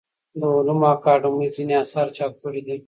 د علومو اکاډمۍ ځینې اثار چاپ کړي دي.